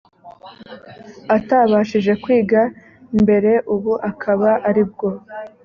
atabashije kwiga mbere ubu akaba aribwo